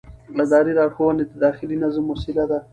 اداري لارښوونې د داخلي نظم وسیله ده.